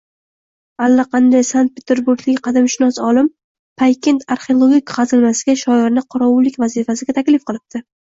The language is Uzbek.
allaqanday Sankt-Peterburglik qadimshunos olim Paykent arxeologik qazilmasiga shoirni qorovullik vazifasiga taklif qilibdi.